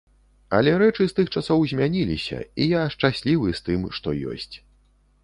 Але рэчы з тых часоў змяніліся, і я шчаслівы з тым, што ёсць.